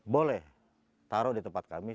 boleh taruh di tempat kami